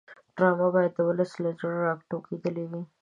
ډرامه باید د ولس له زړه راټوکېدلې وي